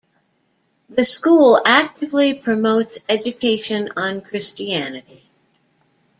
The school actively promotes education on Christianity.